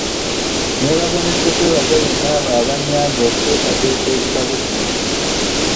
Nneebaza ne ssekwebaza yenna abo abanyambye okuteekateeka ekitabo kino.